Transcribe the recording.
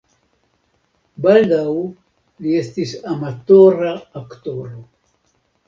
Baldaŭ li estis amatora aktoro.